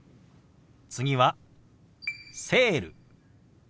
次は「セール」。